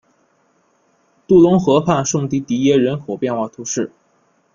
杜龙河畔圣迪迪耶人口变化图示